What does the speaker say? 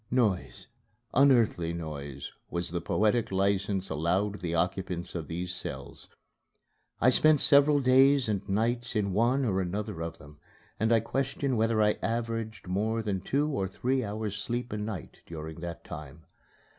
Noise, unearthly noise, was the poetic license allowed the occupants of these cells. I spent several days and nights in one or another of them, and I question whether I averaged more than two or three hours' sleep a night during that time.